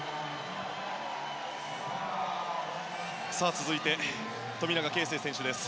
続いて、富永啓生選手です。